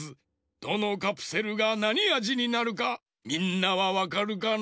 どのカプセルがなにあじになるかみんなはわかるかの？